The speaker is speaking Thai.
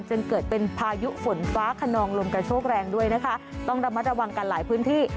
จนเกิดเป็นพายุฝนฟ้าขนองลมกระโชกแรงด้วยนะคะต้องระมัดระวังกันหลายพื้นที่